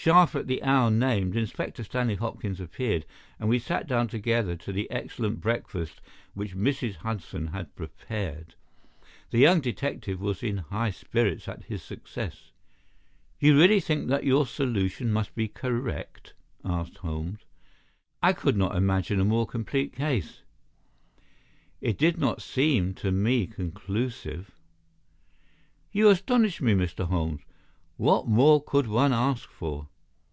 Sharp at the hour named Inspector Stanley Hopkins appeared, and we sat down together to the excellent breakfast which Mrs. Hudson had prepared. The young detective was in high spirits at his success. "You really think that your solution must be correct?" asked Holmes. "I could not imagine a more complete case." "It did not seem to me conclusive." "You astonish me, Mr. Holmes. What more could one ask for?"